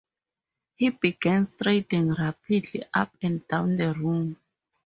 He began striding rapidly up and down the room.